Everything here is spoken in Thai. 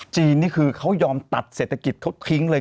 นี่คือเขายอมตัดเศรษฐกิจเขาทิ้งเลย